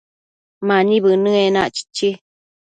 Mani bënë enac, chichi